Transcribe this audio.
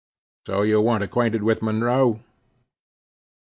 So you weren't acquainted with Monroe?"